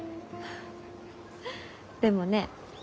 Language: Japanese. でもね